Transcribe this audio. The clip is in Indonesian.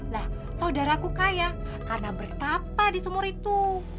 lah saudaraku kaya karena bertapa di sumur itu